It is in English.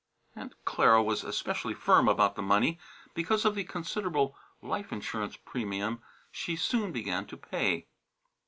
Aunt Clara was especially firm about the money because of the considerable life insurance premium she soon began to pay.